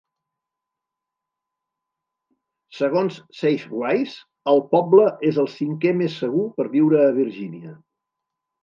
Segons Safewise, el poble és el cinquè més segur per viure a Virgínia.